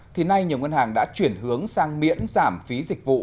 thì nay nhiều ngân hàng đã chuyển hướng sang miễn giảm phí dịch vụ